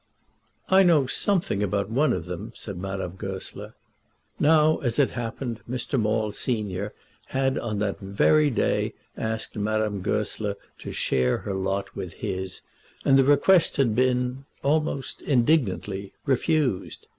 "I know something about one of them," said Madame Goesler. Now, as it happened, Mr. Maule, senior, had on that very day asked Madame Goesler to share her lot with his, and the request had been almost indignantly, refused.